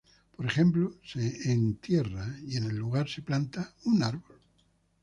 Por ejemplo, se entierra y en el lugar se planta un árbol.